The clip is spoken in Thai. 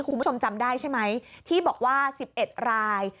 คุณผู้ชมจำได้ใช่ไหมที่บอกว่า๑๑ราย